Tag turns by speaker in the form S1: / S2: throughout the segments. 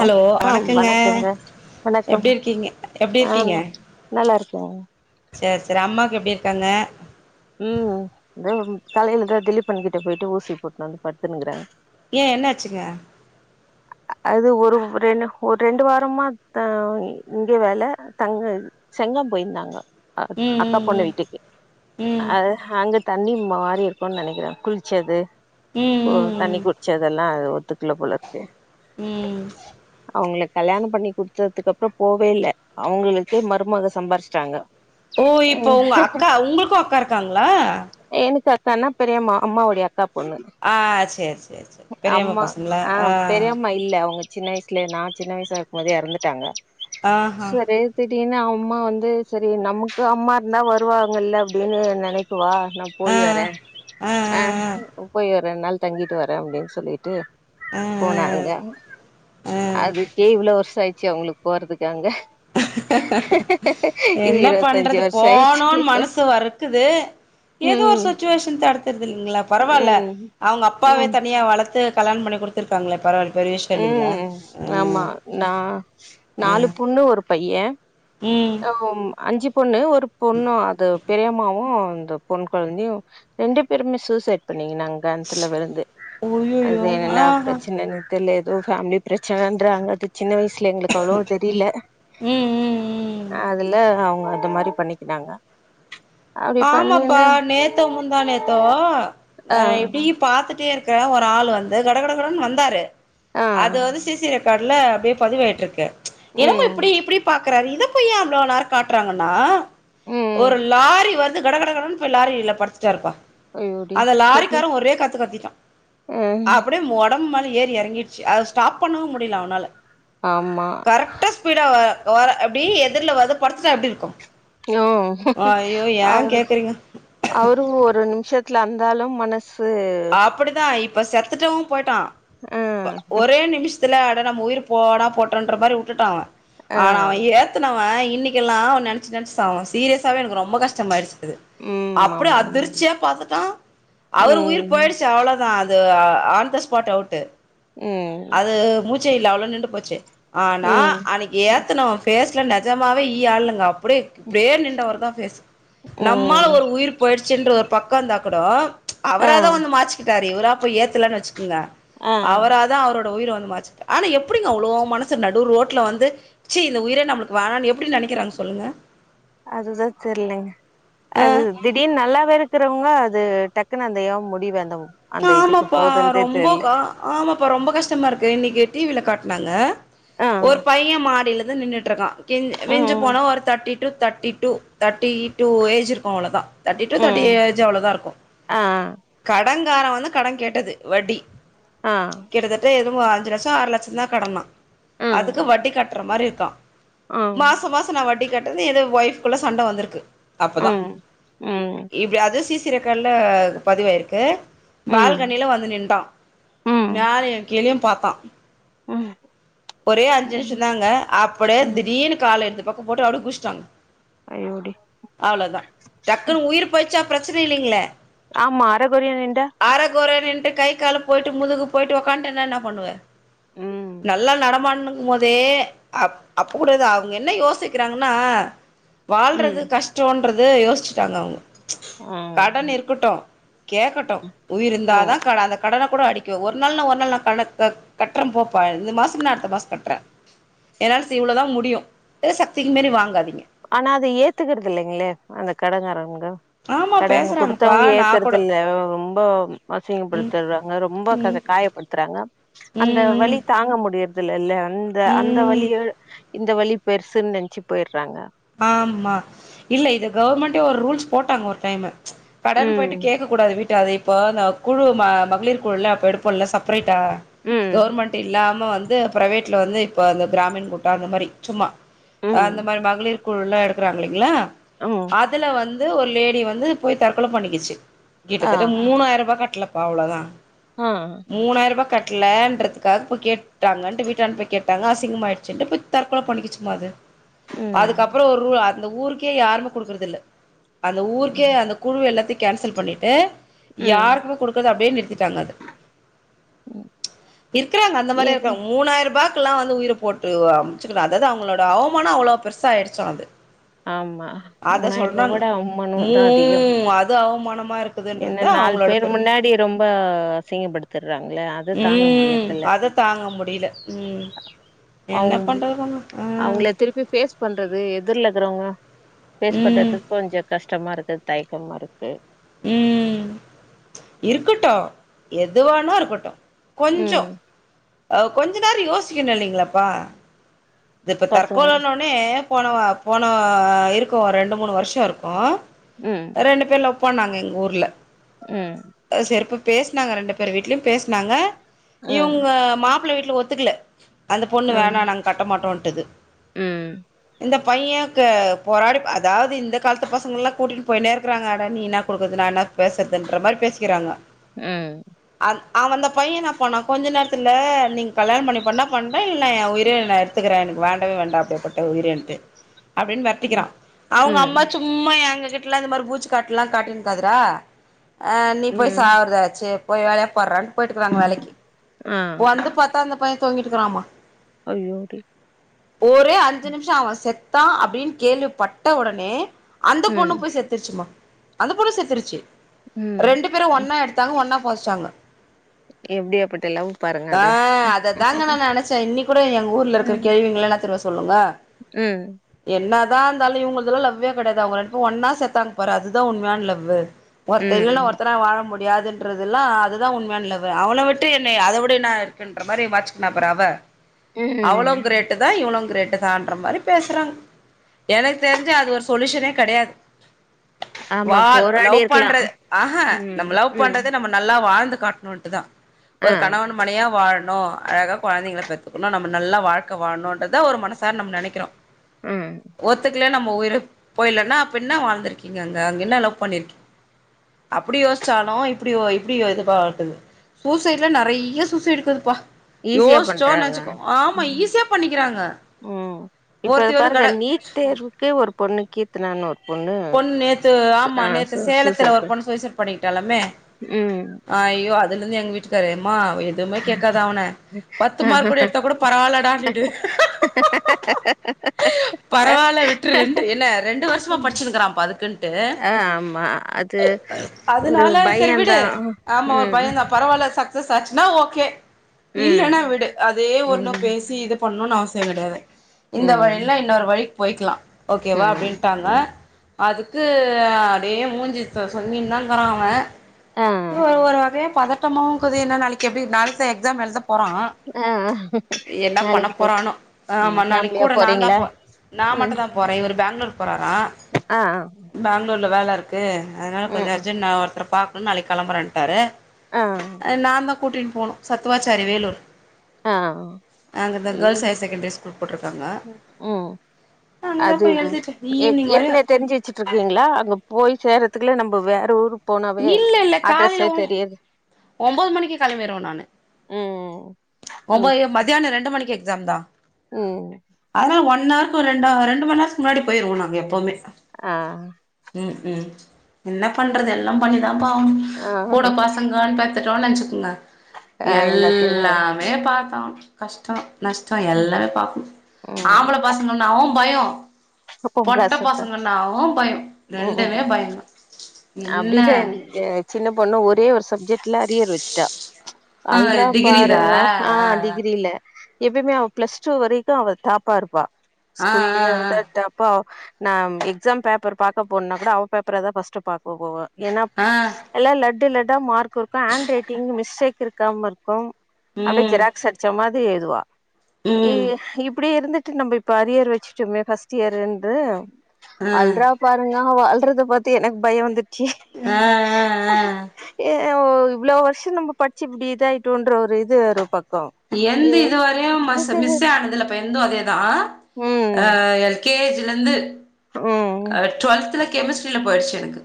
S1: ஆ
S2: வணக்கங்க
S1: வணக்கம்
S2: எப்டி இருக்கீங்க எப்டி இருக்கீங்க?
S1: கே
S2: சேர் சேர் அம்மாக்கு எப்டி இருக்காங்க
S1: ம் தம்‌ காலைலதா திலீப்பன் கிட்ட போயிட்டு ஊசி போட்ணு வந்து படுத்துனுகிறே
S2: ஏ என்னாச்சுங்க?
S1: அது ஒரு ரெண்டு ஒர் ரெண்டு வாரமா த இங்க வெல தங்க செங்கம் போயிருந்தாங்க அ
S2: ம்
S1: அக்கா பொண்ணு
S2: ம்
S1: வீட்டுக்கு
S2: ம்
S1: அஹ் அங்க தண்ணி மாரி இருக்குன் நெனக்கிறே குளுச்சது
S2: ம்
S1: ஓ
S2: ம் ம்
S1: தண்ணி குடுச்சதெல்லா ஒ த்துக்ல போலருக்கு
S2: ம்
S1: அவுங்ளுக் கல்யாணம் பண்ணி குடுத்ததுக்கப்ற போவே இல்ல அவுங்களுக்கு மருமக சம்பாரிச்சுட்டாங்க
S2: ஓ இப்ப உங்க அக்கா உங்ளுக்கு அக்கா இருக்காங்ளா?
S1: கான்னா பெரியம்மா அம்மாவொடைய அ
S2: ஆ சேரி சேரி சேரி பெரியவங்க
S1: அம்மா
S2: பசங்களா
S1: ஆ
S2: அ
S1: பெரியம்மா இல்ல அவங்க சின்ன வயசுலே நா சின்ன வயசா இருக்கு போதே எறந்துட்டாங்க
S2: ஆ ஹா
S1: அப்டின்னா அம்மா வந்து செரி நமக்கு அம்மா இருந்தா வருவாங்கல்ல அப்டின்னு நெனைக்குவா நா
S2: ஆ
S1: போய் வரே ஆ போய் ஒர் ரெண்நாள் தங்கிட்டு வரே அப்டின்னு சொல்லிட்டு
S2: அ
S1: போனாங்க அதுக்கே இவ்வளோ வருஷோ அயிருச்சி அவங்களுக்கு போறத்துக் அங்க
S2: என்ன
S1: இருவத்தஞ்சு
S2: பண்றது
S1: வருஷோ ஆயிடுச்சு
S2: போனோன்னு மனசு வறுக்குது ஏதோ ஒரு
S1: ம்
S2: சுச்சுவேஷன் தடுத்ருது இல்லங்களா பரவாயில்ல
S1: ம்
S2: அவங்க அப்பாவே தனியா வளர்த்து கல்யாணம்பண்ணி குடுத்துறு
S1: உம் ஆமா
S2: ஆ
S1: நா
S2: ஆ
S1: நாலு புண்ணு ஒரு பைய
S2: ம்
S1: ஆமம் அஞ்சி பொண்ணு ஒர் ட் பொண்ணும் அது பெரியமாவும் ந்த பொண் குழந்தையும் ரெண்டு பேருமே சூசைட் பண் நீங் நாங்க கந்த்துல விழுந்து அது
S2: அய்யய்யோ
S1: என்ன
S2: ஆஹா
S1: பிரச்சனனு தெரிய தோ போமிலி பிரச்சனன்றாக அது சின்ன வயசு ஷ்ல எங்களுக்கு அவ்ளோ தெரியல
S2: ம் ம் ம்
S1: இல்ல அவங்க அது மாரி பண்ணிக்கினாங்க அப்படி
S2: ஆமாப்பா
S1: பண்ணினா
S2: நேத்தோ முந்தாநேத்தே
S1: ஆ,
S2: இப்படி பாத்துட்டே இருக் இக்க ஒரு ஆள் வந்து கட கடகடன் வந்தாரு
S1: ஆ,
S2: அது வந்து சசிர காடல அப்படியே பதிவாயிட்டு இருக்கு எனமாவு
S1: ம்,
S2: இப்பிடி இப்பிடி பாக் க்குறாரு இத போய் இவ்வளோ நேரம் காட்டுறாங்கன்னா
S1: ம்.
S2: ஒரு லாரி வரு ந்து கட கடன்னு போய் லாரில படுத்துட்டாருப்பா
S1: ஐயோடி!
S2: அந்த லாரிக்காரன் ஒரே கத்து கத்திட்டா
S1: ம்.
S2: அப்பிடியே உடம்பு மழி ஏறி இறங்கிடுச்சு அத ஸ்டாப் பண்ணவும் முடியல அவனால
S1: ஆமா.
S2: கரெக்டா ஸ்பீடா வர வர அப்பிடி எதிர்ல வத படுத்துட்டா எப்பிடி இருக்கு ஐயோ ஏ
S1: அவ
S2: கேக்குறீங்க
S1: அவரு ஒரு நிம்ஷத் ட்ல இருந்தாலு மனஸ்
S2: அப்படிதா இப் இப்ப செத்தட்டவு போயிட்டா
S1: ஆ,
S2: ஒரே நிம்ஷத் இதல அட நம்ம உயிர் போடா போட்டுன்ற மாரி உட்டுட்டா அவ
S1: ஆ.
S2: ஆனா அவ ஏத்தனவய் இன்னிக்கெல்லா அவ நெனச்சு நெனச்சு சாவா சீரியஸாவே எனக்கு ரொம்போ கஷ்டமாயிருச்சு இது
S1: ம்
S2: அப்படி
S1: ஆமா ஆமா
S2: அதிர்ச்சியா பாத்துட்டா அவரு உயிர்
S1: ம்
S2: போயிடுச்சு அவ்ளோதா அது து ஆன்த ஸ்பாட் அவுட்டு
S1: ம்
S2: ச்சே இல்ல அவ்ளோ நிண்டு போச்சே ஆனா
S1: ம்
S2: அன்னைக்கு ஏத்தனவம் ஃபேஸ் ட்ல நஜமாவே ஈ ஆளுங்க அப்படியே இப்படியே நின்டவர்தா பேஸ்
S1: ம்
S2: நம்மால்ல ஒரு உயிர் போயிடுச்சுன்ற ஒரு பக் உக்காந்தாக்குடோ ம்ச்
S1: ஆ
S2: அவராதா வந்து கிட்டாரு இவரா போய் ஏத்துலன் வெச் ங்க
S1: ஆ
S2: அவராதா அவரோட உயிர வந்து மாச்சுட்டா ஆனா எப்படிங்க அவ்வளோ மனசு நடு ரோட்ல வந்து ச்சி இந்த உயிரே நம்மளுக்கு வேணான்னு எப்டி நெனைக்கிறாங்க சொல்லுங்க
S1: அதுதா தெரியலங்க
S2: ஆ
S1: அது திடீர்னு நல்லாவே இருக்கு கவங்க அது டக்குனு அந்த எதோ முடிவு அந்த அந்த இதுக்கு
S2: ஆமாப்பா
S1: போதுந்தே
S2: ரொம்போ
S1: தெர்ல
S2: ஆமாப்பா ரொம்போ கஷ்டமா இருக்கு இன்னைனிக்கு டீவில காட் னாங்க
S1: ஆ
S2: ஒரு பைய மாடில வந்து நின்னுட்ருக்கா கிஞ் விஞ்சு
S1: ம்
S2: போன ஒரு thirty two thirty two thirty two age இருக் கு அவ்வளோதா தேர்ட்டி டூ தேர்டி
S1: ம்
S2: ஏஜ் அவ்வளோதா இருக்கு
S1: ஆ
S2: கடங் கடங்கார வந்து கடங் கேட்டது வட்டி
S1: ஆ
S2: கிட்டத்தட்ட அஞ்சு லட்சோ ஆறு லட்சோந்தா கடன்னா
S1: ம்
S2: அதுக்கு வட்டி கட் ட்ர மாரிருக்கா
S1: ம்
S2: மாச மாச நா வட்டி கட் டர்ந்து எதொ ஒய்ஃப்குள்ள சண்ட வந்துருக்கு அப்பதா
S1: ம் ம்
S2: இப்டி யாது சி சிரெக்கால்ல பதிவாயிருக்கு
S1: ம்
S2: பால்கனில வந்து நின்டா
S1: ம்
S2: மேலயு கீழயும் பாத்தா
S1: ம்
S2: ஒரே அஞ்சு
S1: ம்
S2: நிஷந்தாங்க அப்புடே
S1: ம்
S2: திடீனு கால் எத்தப்ப ப்பு போட்டு அடு குச்ட்டாங்க
S1: ஐயோடி
S2: அவ்ளதா டக்குனு உயிர் போயிர் ச்சா பிரச்சன இல்லிங்ளே
S1: ஆமா அரகொறையா நின்டா
S2: ட்டு கை கால போயிட்டு முதுகு போயிட்டு உக்கான்டனா என்ன பண்ணுவ
S1: ம்
S2: நல்லா [unintelligible] அப் அப்ப கூட எதொ அவுங்க என்ன யோசிக்கிறாங்கன்னா
S1: ம்
S2: வாழ்றது கஷ்டோன் றது யோசுச்சுட்டாங்க அவுங்க கடன்
S1: ம்
S2: இருக்கட்டு கேக்கட்டு உயிர்
S1: ம்
S2: இந்தாதா கட அந்த கடன கூட அடிக்க ஒரு நாள்ன ஒரு நாள் நா கட‌ அ கட்றம் போப்பா இந்த மாச இல்ல அடுத்த மாச கட்றே என்னால் சி இவ்ளொதா முடியு எ சக்திக்கு மீறி வாங்காதீங்க
S1: ஆனா அத ஏத்துக்குறது இல்லங்களே அந்த கடங்காரவுங் க
S2: ஆமா
S1: கடன்
S2: பேசுறாங்கப்பா
S1: குடுத்தவுங்க
S2: நா கூட
S1: ஏத்துரதுல்ல ரொம்ப
S2: ம்
S1: அசிங்கப்படுத்திர்றாங்க ரொம்ப கச
S2: ம்
S1: காயப்படுத்துறாங்க அந்த
S2: ம்
S1: வலி தாங்க முடியர் தில்லெல்ல இந்த
S2: ம்
S1: அந்த
S2: ம்
S1: வலிய இந்த வலி பெருசுன் நென்ச்சு போயிர்றாங்க
S2: ஆமா இல்ல இது கவர்மெண்ட்டே ஒர் ரூல்ஸ் போட்டாங்க ஒரு டைமு கடன்
S1: ம்
S2: போயிட்டு கேக்கக் கூடாது விட் டு அது இப்போ த குழு ம மகளிர் குழுல்ல அப்ப எடுப்போல்ல சப்பரேட் டா
S1: ம்
S2: கவர்மெண்ட் இல்லா ம வந்து பிரைவேட்ல வந்து இப்ப அந்த பிராமின் கூட்டொ அந்த மாரி சும்மா அ அந்த
S1: ம்
S2: மாரி மகளிர் பொருல்லா எடுக்குறாங்கில்லைங்களா
S1: ம்
S2: அதுல வந்து ஒரு லேடி வந்து போய் தற்கொல பண்ணிகிச்சு
S1: ஆ
S2: கிட்டத்தட்ட மூாணாயிரூவா கட்டலப் அவ்வளதா
S1: ஆ
S2: மூணாயிரூபா கட் லன்றதுக்காக போய் கேட்டாங்கன்ட்டு வீட்டான்ட போய் கேட்டாங்க அசிங்கமாயிடுச்சுன்ட்டு போய் தற்கொல பண்ணிக்கிச்சுமா அது ம்ச்
S1: ம்க்ம்
S2: கு ஒருவா அந்த ஊருக்கே யாருமே குடுக்குறது இல்ல அந்த ஊருக்கே
S1: ம்
S2: அந்த குழு எல்லாத்திக் கேன்சல் பண்ணிட்டு
S1: ம்.
S2: யாருக்குமே கொடுக்குறது அப்டியே நிறுத்திட்டாங்க அது
S1: ம்.
S2: இருக்குறாங்க அந்த மாரி
S1: எப்டி
S2: இருக்காங்க மூணாயிரூபா க்குல்லா வந்து உயிர போட்டு அ மிச்சுக்குறா அதாவது அவங்களோட அவ்மானோ அவ்ளோ பெருசா ஆயிடுச் ச்சாது
S1: ஆமா மூணாயிரூவா கூட
S2: மூ
S1: அவ்மானோந்தா அதிகம்
S2: அது அவமானமா
S1: என்ன
S2: இருக்குதுன்றதுதா
S1: நாலு
S2: அவங்களோட
S1: பேர்
S2: பேரு
S1: முன்னாடி ரொம்ப அசிங்கப்படுத்துடுறாங்கள அது றது தாங்க
S2: ம்
S1: முடியிறது இல்ல
S2: அத தாங்க முடியல ம் என்ன
S1: அவுங்
S2: பண்றதுங்க ஆ
S1: அவுங்கள திருப்பி பேஸ் பண்றது எதுர்ல இருக் க்கவங்க பேஸ்
S2: ம்
S1: பண்றதுக்கு கொஞ்ச கஷ்டமா இருக் கு தயக்கமா இருக்கு
S2: ம்க்ம் ம்ச் இருக்கட்டு எதுவானா இருக்கட்டு கொஞ்சோ
S1: ம்
S2: அவ் கொஞ்ச நேரோ யோசிக்கணு இல்லைங்களாப்பா இது இப்ப
S1: பசங்க
S2: தற்கொலன்னொனே போனவ போனா இருக்கு ரெண்டு மூணு வருஷோ இருக்கு
S1: ம்
S2: ரெண்டு பேரு லவ் போனாங்க எங்க ஊர்ல
S1: ம்
S2: எ செர்ப்பு பேஸ்னாங்க ரெண்டு பேர் வீட்லயும் பேஸ்னாங்க
S1: ம்
S2: இவுங்க மாப் புள வீட்ல ஒத்துக்கல அந்த பொண்ணு
S1: ஆம்
S2: வேணா நாங்க கட் ரோண்டது
S1: ம்
S2: இந்த பைய க போராடி அதாவது இந்த கால்து பசங்கல்லா கூட்டின் போய்னே இருக்குறாங்க அடா நீ என்ன குடுக்குற்து நா என்னா பேசற்துன்ற மாரி பேசிக்கறாங்க
S1: ம்
S2: அவன் அந்த பையன்னாப் பன்னா கொஞ்ச நேரத்துல நீங்க கல்யாணம் பண்ணி பண்ணா பண்ணுங் ங்க இல்ல என் உயிரேன்னர் வேண்டவே வேண்டா அப்படிப்பட்ட உயிரின்டு அப்டின் மெரட்டிகிறா அவுங்க அம்மா
S1: ம்
S2: சும்மா ஏங்க என்கிட்லா இந்த மாரி பூச்சு காட்லா காட்டின்காதடா ஆ நீ போய்
S1: ம்
S2: சாவற்தாச்சு போய் வேலயப்பார்ரான் போயிட்டுக்கறாங்க வேலைக்கி
S1: ஆ
S2: வந்து பாத்தா அந்த பையன் தொங்கிட்டுக்கறான் மா
S1: அய்யோ டி
S2: ஒரே அஞ்சு நிமிஷோ அவன் செத்தா அப்டின்னு கேள்விப்பட்ட ஒடனே அந்த பொண்ணு
S1: ம்
S2: போய் செத்துர்ச்சு மா அந்த பொண்ணு செத்துருச்சு
S1: ம்
S2: ரெண்டு பேரும்
S1: ம்.
S2: ஒன்னா எடுத்தாங்க ஒன்னா பொதச்சுட்டாங்க
S1: எப்படியாப்பட்ட லவ் பாருங்க
S2: ஆ
S1: அது
S2: அத தாங்க நா நெனச்சே இன்னிக் கூட எங்க ஊர்ல இருக்க
S1: ம்
S2: கெழுவீங்களா இன்னா தெரியுமா சொல்லுங்க
S1: ம்
S2: என்னாத் தா இருந்தாலு இவுங்களுதெல்லா லவ்வே கெடையாது அவுங்க ரெண்டு பேரு ஒன்னா செத்தாங்க பாரு அது தா உண்மையான லவ்வு ஒருத்த இல்லனா
S1: ம்
S2: ஒருத்தரா வாழ முடி யாதுன்றதெல்லாம் அதுதான் உண்மையான லவ்வே அவன விட்டு என்னை அத விட இன்னா இருக்குன்ற மாரி வாச்சுக்குனா பாரு அவ
S1: ம்
S2: கிரேட்டுதா இவனு கிரேட்டு தான்ற மாரி பேசுறாங்க எனக்கு தெரிஞ்சு அது ஒரு சொல்யூஷனே கெடையாது
S1: ஆமா
S2: வா
S1: போராடி
S2: லவ்
S1: இருக்கலா
S2: பண்றது ஆஹா
S1: ம்
S2: நம்ம லவ்
S1: ம்
S2: பண்றது நம்ம நல்லா வாழ்ந் ந்து காட்ணோண்டு தா
S1: ஆ
S2: ஒரு கணவன் மனயா வாழணோ ணோ அழகா கொழந்தைங்கள பெத்துக்கணு நம்ம நல்லா வாழ ழ்க்க வாழனுன்றதா ஒரு மனசார நம்ம நெனைக்கறோ
S1: ம்
S2: ஒத்துக்கல நம் போய்ரு போயிர்லான்னா அப்ப இன்னா வாழ்ந்துருக்கீங்க அங்க அங்க என்ன லவ் பண்ணிருக்கி அப்படி யோசிச்சாலு இப்டி யோ இப்டி யோ இது பாத்தது சூசைட்லே நெறைய்ய சூசை இருக்குதுப்பா
S1: ஈஸியா
S2: யோஸ்சோ
S1: பண்றாங்க
S2: நெனச்சுக்கோ ஆமா
S1: ம்
S2: ஈஸ்
S1: ம் இப்ப
S2: ஒருத்தி வந்து
S1: பாருங்க
S2: கட
S1: நீட் தேர்வுக்கே ஒரு பொண்ணுக்கித் த்தானான்னு ஒன்
S2: பொண் நேத்து ஆமா நேத்து சேலத்துல
S1: சூசைட்
S2: ஒரு
S1: பண்
S2: பொண்ணு சூசட்டு பண்ணிக்கிட்டாலாமே
S1: ம்
S2: ஐயோ அதுலருந்து எங்க வீட் சரி மா எதுவுமே கேட்காத அவ பத்து மார்க் எடுத்த கூட பரவால்லடானு பரவாயில்ல விட்டுரு என்ன ரெண்டு வருஷமா படிச் ங்கிறா பதுக்குட்டு
S1: ஆ ஆமா அது ஒரு
S2: அதனால சரி விடு
S1: பயந்தா
S2: ஆமா ஒரு
S1: ம்
S2: பையன் தா பரவால்ல சக்ஸஸ் ஆச்சுனா ஓகே
S1: ம்
S2: இல்லன்னா விடு அதே ஒண்ணு
S1: ம்
S2: பேசி இது பண்ணுன் அவசியம் கிடையாது இந்த
S1: ம்
S2: வழில்லனா இன்னொரு வழி போய்கலா ஓகேவா
S1: ம்
S2: அப்டின்ட்டாங்க
S1: ம்
S2: அதுக்கு அப்டியே மூஞ்சு சொ சொங்கினாங்கற அவ
S1: ஆ
S2: ஒரு ஒரு வகையா பதட்டமாவுக்குது என்ன நாளைக்கு எப்டி நாளைக்கு தா எக்ஸாம் எழுத போறா
S1: ஆ
S2: என்ன பண்ண
S1: நாளைக்கு தோப்
S2: போறானோ
S1: ம்
S2: ஆமா நாளைக்
S1: ஃபேமிலியா
S2: கூட நா தா
S1: போறீங்களா
S2: போ நா மட்டு
S1: ம்
S2: தா போறே இவர் பெங்களூர் போறாரா
S1: ஆ ஆ
S2: ல்ல வேலருக்கு து அதனால
S1: ம்
S2: கொஞ்சோ
S1: ம்.
S2: அர்ஜன் நா ஒருத்தர பார்த் நாளைக்கிளம்பரண்டாரு
S1: ஆ
S2: கூட்டின்ட் போணு சத்வாச்சாரி வேலூர்
S1: ஆ
S2: அங்க தா கேர்ள்ஸ்
S1: இந்த
S2: ஹையர் செகண்டரி ஸ்கூல் போட்டிருக்
S1: ம்
S2: அங்கதா
S1: அது
S2: போய் எழுதிட்டு ஈவினிங் வரையு
S1: ஏற்கனே தெரிஞ்சு வச்சு ட்ருக்கீங்களா அங்க போய் சேரறதுக்குள்ள நம்ம வேற ஊரு போனாவே அட்ரஸே தெரியுது
S2: ஒன்பது மணிக்கு கிளம்பிருவ நானு
S1: ம் ம்
S2: ஒன்பது மத்தியானோ ரெண்டு மணி நாளைக்கு எக்ஸாம் தா
S1: ம்
S2: அதனால ஒன் ஆர்க்கு ரெண்டு ரெண்டு மணி நேரத்துக்கு முன்னாடி போயிடுவோ நாங்க எப்புமே
S1: ஆ
S2: ம் ம் என்ன பண்றது எல்லா பண்ணி தா பாவு
S1: ஆ
S2: கூட பசங்க பெத்துட்டோ நெனச்சிக்ங்க
S1: ஆ எல்லாத்தையு
S2: எல்லாமே பாத்தோ கஷ்டோ நஷ்டோ எல்லாமே பாக்கணு
S1: ம்
S2: ஆம்பள பசங்கனாவு பயோ
S1: அப்போ
S2: பொட்ட
S1: தான்.
S2: பசங்கனாவு பயோ ரெண்டுமே பயோ தா
S1: அப்டி தா ங்க சின்ன பொண்ணு ஒரே ஒரு சப்ஜெட்ல அரியெர் வெச்ட்டா
S2: ஆ
S1: அல்ரா
S2: டிகிரிதா
S1: பாருங்க ஆ டிகிரில எப்புமே அவ ப்ளஸ் டூ வரைக்கு அவ டாப்பா இருப்பா
S2: ஆ
S1: ஸ்கூல்லயே
S2: ஆ
S1: அவ
S2: ஆ
S1: தா டாப்பா நா எக்ஸாம் பேப்பர் பாக்க போன்னா கூட அவ பேப்பரு தா ஃபஸ்ட் பாப் ஓகோவா ஏனா
S2: ஆ ஆ
S1: எல்லா லட்டு லட் ட்டா மார்க் இருக்கு ஹேண்ட் ரைட்டிங் மிஸ்டேக் இருக்காம இருக்கு அப்டியே
S2: ம்
S1: ஜெராக்ஸ் அடிச்ச மாரி து எழுதுவா
S2: ம்
S1: ஏஎ இப்டி இருந் நம்ப இப்ப அரியர் வெச்சிட்டோமே ஃபஸ்ட் இயர் ந்து
S2: ஆ
S1: அல்ரா பாருங்க நம்ம வால்றத பத்தி எனக் பயோ வந்து
S2: ஆ ஆ ஆ
S1: அ இவ்ளோ வருஷோ நம்ப படிச்ச இப்டி இதாயிட்டோன்ற ஒரு இது ஒரு பக்
S2: எந்து இதுவரையு மஸ் மிஸ்ஸே ஆனதில்லபு என்து அதே தா ஆ
S1: ம்
S2: எல் கே ஜி லந்து
S1: ம்
S2: அ டுவல்த்ல கெமிஸ்ட்ரியில போயிடுச்சு எனக்கு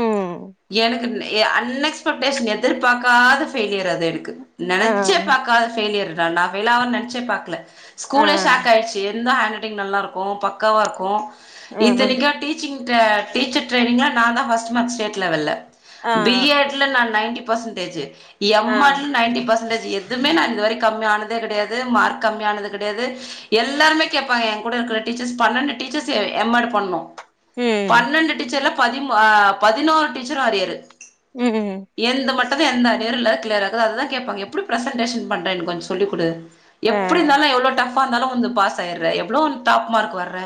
S1: ம்
S2: எனக்கு நெ எ அன்எக்ஸ்பெக்டேஷன் எதிர்பார்க்காத ஃபெயிலியர் அது எனக்கு
S1: ஆ
S2: நினைச்சே பாக்காத ஃபெய்லியர்டா நா ஃபெய்ளாவனு நினைச்சே பாக்ல
S1: ஆ
S2: ஸ்கூலே ஷாக் ஆடுச்சு இந்த ஹேண்ட் ரைட்டிங் நல்லாருக்கும் பக்காவா இருக்கும்
S1: ஆ
S2: இத்தனிக்கும் டீச்சி்ங் ட்ர டீச்சர் ட்ரைனிங்ளா நான் தா பஃஸ்ட் சும்மா ஸ்டேட் லெவல்ல
S1: ஆ
S2: பி எட் ல நா நைன்டி பெஸ்சன்டேஜூ
S1: ஆ
S2: எம் ஆட் நைன்டி பர்சன்டேஜூ எதுமே நான் கம்மியானதே கெடையாது மார்க் கம்மியானது கெடையாது எல்லாருமே கேப்பாங்க என் கூட இருக்கற டீச்சர்ஸ் பண்ணன்டு டீச்சர்ஸ் எ எம் எட் பண்ணோ
S1: ம்
S2: பன்னண்டு டிச்சர்லப் பதிம் ஆ பதினோறு டீச்சரு அறியரு
S1: ம்
S2: என்து மட்டுந்தா எந்த அரியரு இல்ல சிலர் அதனாலதா கேப்பாங்க எப்டி பிரசன்டேஷன் பண் எனக் கொஞ்சொ சொல்லி்க்குடு
S1: ஆ
S2: எப்புடி இருந்தாலு எவ்ளோ டஃப் ப்பா இருந்தாலு வந்து பாஸ் ஆயிட்ற எவ்ளோ டாப் மார்க் வர்ற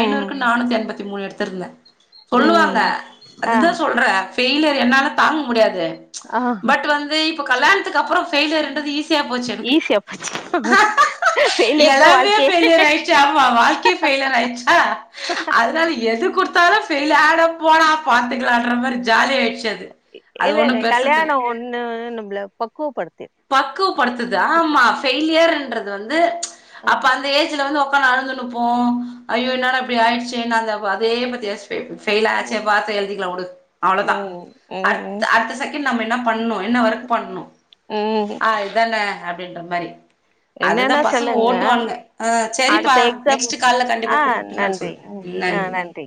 S2: ஐநூறுக்கு
S1: ம்
S2: நானூத்தி எண்பத்தி மூணு எடுத் த்திருந்தே சொல்லுவாங்க
S1: ம் ஆ
S2: அதுதா சொல்ற ஃபெயிலர் என்னால தாங்க முடியாது
S1: ஆ
S2: பட் வந்து இப் இப்ப கல்யாணத்துக்கு அப்றொ ஃபெயிலியர்ன்றது ஈசி சியாப் போச்சு எனக்கு
S1: ஈஸியா போச்சு ஃபெய்லியர் தா
S2: எல்லாமே
S1: வாழ்க்கையே
S2: பெய்லியர் ஆயிட்ச்சு ஆமா வாழ்க்கையே பெஃய்லியர் ஆயிட்ச்சா அதனால எது குடுத் [unintelligible] ஃபெயிலு அட போடா பாத்துக்கலான்ற மாரி ஜாலியா ஆயிட்
S1: இ இல்லல்ல கல்யாணோ ஒன்னு நம்பள பக்குவப்படுத்
S2: பக்குவப்படுத்துதா ஆமா ஃபயிலியர்ன்றது அது வந்து அப்ப
S1: ம்
S2: அந்த ஏஜ்ல வந்து ஒக் ஒக்கான்னு அழுதுனுப்போ ஐயோ இன்னாடா இப்டி ஆயிடுச்சேன்னு அந்த வ அதே பத்தி யோசிச்சு பெ பெஃயில் ஆச்சே
S1: ம்
S2: பாத்து எழுதிக்கலா உடு அவ்ளோதா
S1: ம்
S2: அடுத் அடுத்த செகண்ட் நம்ம என்ன பண்ணோ என்ன ஒர்க் பண்ணோ
S1: ம்
S2: ஆ இதான அப் அப்படின்ற மாரி
S1: என்னன்னா
S2: அதுதான் பசங்க
S1: சொல்லுங்க
S2: ஓட்டுவானுங்க ஆஹ் செரிப்பா
S1: அடுத்த எக்ஸாம்
S2: நெக்ஸ்ட் கல கண்டிப்பா
S1: ஆ
S2: கூப்பிட்டு நான்
S1: நன்றி
S2: சொல்றேன்
S1: ம் ஆ
S2: என்னனு
S1: நன்றி